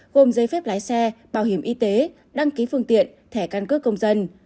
gồm giấy phép lái xe bảo hiểm y tế đăng ký phương tiện thẻ căn cước công dân